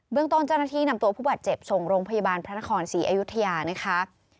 เรื่องต้นเจ้าหน้าที่นำตัวผู้บาดเจ็บส่งโรงพยาบาลพระนครศรีอยุธยานะคะ